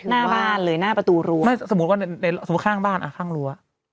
น่าบ้านหรือหน้าประตูรั้ว